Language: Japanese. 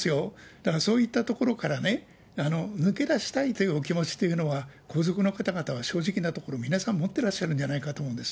だからそういったところからね、抜け出したいというお気持ちというのは、皇族の方々は正直なところ、皆さん持ってらっしゃるんじゃないかと思います。